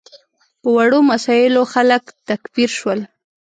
په وړو مسایلو خلک تکفیر شول.